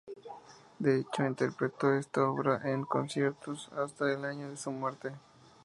De hecho, interpretó esta obra en conciertos hasta el año de su muerte.